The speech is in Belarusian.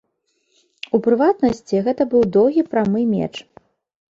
У прыватнасці, гэта быў доўгі прамы меч.